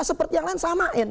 seperti yang lain samain